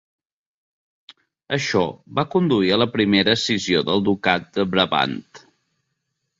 Això va conduir a la primera escissió del ducat de Brabant.